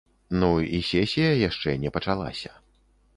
Ну, і сесія яшчэ не пачалася.